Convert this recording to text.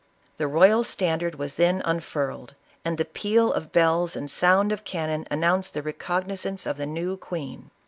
The royal standard was then unfurled, and the peal of bells and sound of cannon announced the, recogni zance of the new queen.